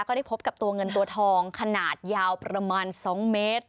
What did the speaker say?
ได้พบกับตัวเงินตัวทองขนาดยาวประมาณ๒เมตร